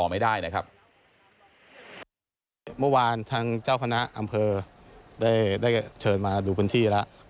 เมื่อวานทางเจ้าคณะอำเภอได้ได้เชิญมาดูพื้นที่แล้ว